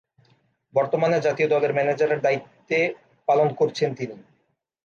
বর্তমানে জাতীয় দলের ম্যানেজারের দায়িত্বে পালন করছেন তিনি।